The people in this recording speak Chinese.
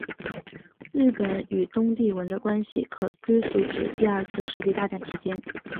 日本与东帝汶的关系可追溯至第二次世界大战期间。